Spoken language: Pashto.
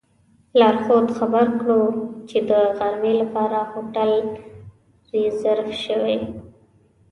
لارښود خبر کړو چې د غرمې لپاره هوټل ریزرف شوی.